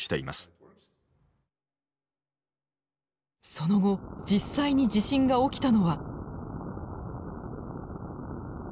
その後実際に地震が起きたのは。